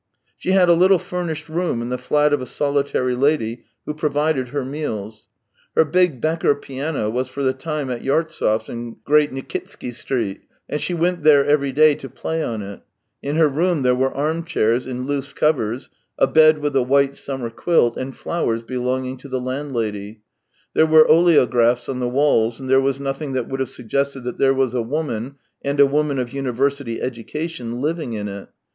She had a little furnished room in the flat of a solitary lady who provided her meals. Her big Becker piano was for the time at Yartsev's in Great Nikitsky Street, and she went there every day to play on it. In her room there were arm chairs in loose covers, a bed with a white summer quilt, and flowers belonging to the landlady; tlu*re were oleographs on the walls, and there was nothing that would have suggested that there was a woman, and a woman of university educa tion, living in it.